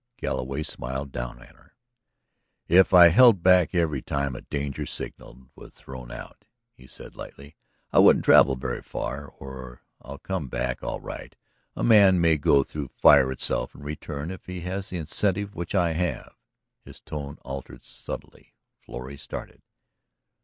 Galloway smiled down at her. "If I held back every time a danger signal was thrown out," he said lightly, "I wouldn't travel very far. Oh, I'll come back all right; a man may go through fire itself and return if he has the incentive which I have." His tone altered subtly. Florrie started.